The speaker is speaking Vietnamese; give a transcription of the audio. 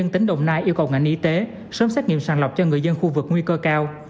tỉnh đồng nai yêu cầu ngành y tế sớm xét nghiệm sàng lọc cho người dân khu vực nguy cơ cao